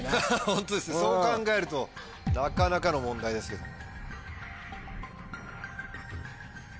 ホントですねそう考えるとなかなかの問題ですけども。